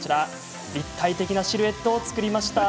立体的なシルエットを作りました。